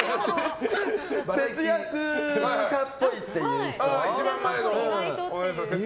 節約家っぽいっていう人。